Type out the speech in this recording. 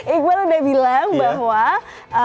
iqbal udah bilang bahwa mbak nizar di tahun ini ya